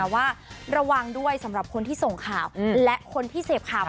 ว่าระวังด้วยสำหรับคนที่ส่งข่าวและคนที่เสพข่าว